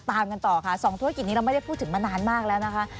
ตามกันต่อค่ะ๒ธุรกิจนี้เราไม่ได้พูดถึงมานานมากแล้วนะคะ